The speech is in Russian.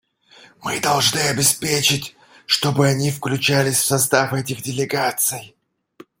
Мы должны обеспечить, чтобы они включались в состав этих делегаций.